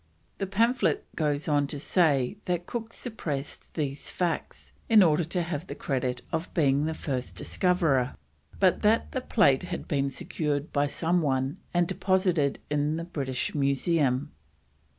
The pamphlet goes on to say that Cook suppressed these facts in order to have the credit of being the first discoverer, but that the plate had been secured by some one and deposited in the British Museum.